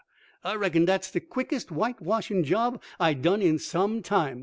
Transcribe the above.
I reckon dat's de quickest white washin' job I done in some time!"